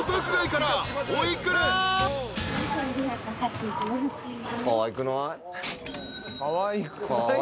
かわいくない？